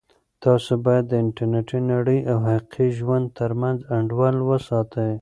تاسو باید د انټرنیټي نړۍ او حقیقي ژوند ترمنځ انډول وساتئ.